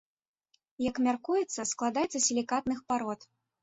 Як мяркуецца, складаецца з сілікатных парод.